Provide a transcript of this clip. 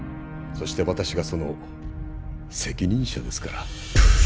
そして私がその責任者ですから